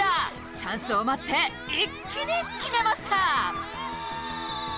チャンスを待って一気に決めました